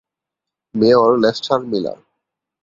Mayor Lester Miller.